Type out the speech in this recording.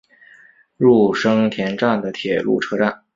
入生田站的铁路车站。